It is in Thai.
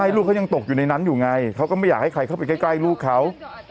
ลูกเขายังตกอยู่ในนั้นอยู่ไงเขาก็ไม่อยากให้ใครเข้าไปใกล้ลูกเขา